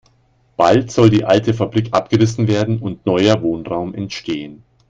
Bald soll die alte Fabrik abgerissen werden und neuer Wohnraum entstehen.